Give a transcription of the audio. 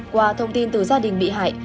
qua thông tin từ gia đình bị hại